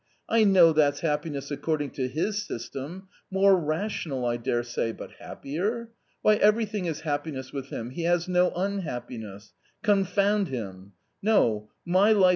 I know that's happi ness according to his system : more rational, I daresay, but happier ? Why, everything is happiness with him, he has no unhappiness. Confound him ! No !